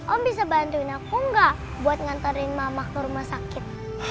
om bisa bantuin aku nggak buat ngantarin mama ke rumah sakit